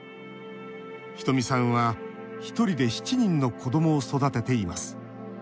ひとみさんは、１人で７人の子どもを育てています。